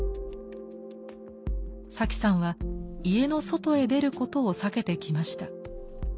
サキさんは「家の外へ出る」ことを避けてきました。